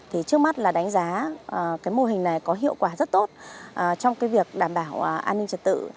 trước mắt là đánh giá mô hình này có hiệu quả rất tốt trong việc đảm bảo an ninh trật tự